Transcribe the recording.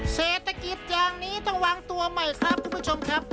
เศรษฐกิจอย่างนี้ต้องวางตัวใหม่ครับคุณผู้ชมครับ